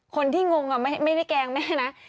งงไม่ได้แกล้งแม่นะ